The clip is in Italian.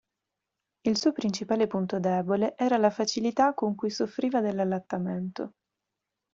Il suo principale punto debole era la facilità con cui soffriva dell'allettamento.